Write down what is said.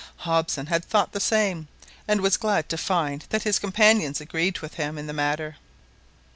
Hobson had thought the same, and was glad to find that his companions agreed with him in the matter.